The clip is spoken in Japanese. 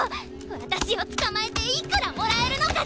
私を捕まえていくらもらえるのかしらね